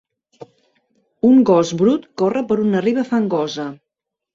Un gos brut corre per una riba fangosa.